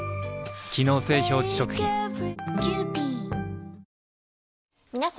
機能性表示食品皆様。